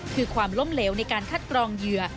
คือความล้มเหลวในการคัดกรองเหยื่อ